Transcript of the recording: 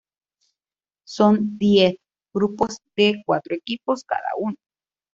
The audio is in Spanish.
Son diez grupos de cuatro equipos cada uno.